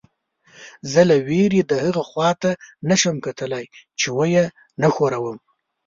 زه له وېرې دهغه خوا ته نه شم کتلی چې ویې نه ښوروم.